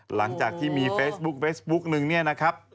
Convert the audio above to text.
หลังจากที่มีเฟซบุ๊กนึงเนี่ยนะครับ